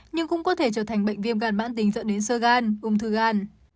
nhưng cũng có thể trở thành bệnh viêm gan mãn tính dẫn đến sơ gan ung thư gan